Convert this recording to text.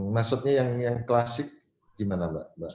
maksudnya yang klasik gimana mbak mbak